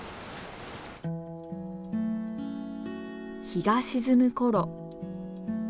日が沈む頃。